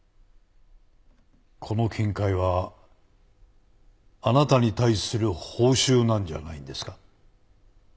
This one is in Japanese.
この金塊はあなたに対する報酬なんじゃないんですか？